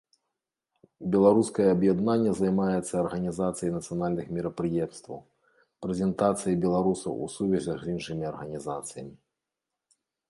Беларускае аб'яднанне займаецца арганізацыяй нацыянальных мерапрыемстваў, прэзентацыяй беларусаў у сувязях з іншымі арганізацыямі.